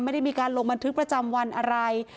ไม่ได้มีการลงบันทึกประจำวันอะไร